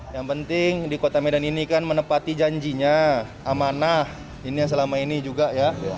yang penting di kota medan ini kan menepati janjinya amanah ini yang selama ini juga ya